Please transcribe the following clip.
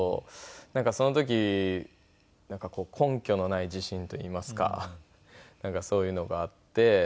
なんかその時根拠のない自信といいますかそういうのがあって。